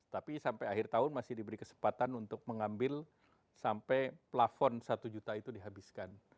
tapi sampai akhir tahun masih diberi kesempatan untuk mengambil sampai plafon satu juta itu dihabiskan